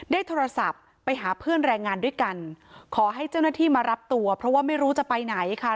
โทรศัพท์ไปหาเพื่อนแรงงานด้วยกันขอให้เจ้าหน้าที่มารับตัวเพราะว่าไม่รู้จะไปไหนค่ะ